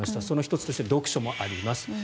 その１つとして読書もあります。